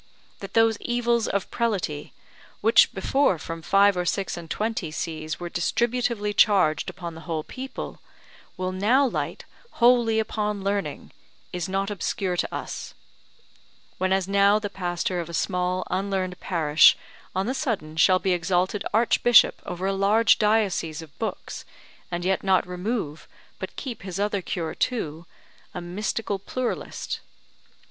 That those evils of prelaty, which before from five or six and twenty sees were distributively charged upon the whole people, will now light wholly upon learning, is not obscure to us: whenas now the pastor of a small unlearned parish on the sudden shall be exalted archbishop over a large diocese of books, and yet not remove, but keep his other cure too, a mystical pluralist.